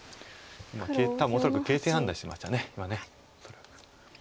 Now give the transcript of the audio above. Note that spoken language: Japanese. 今多分恐らく形勢判断してました。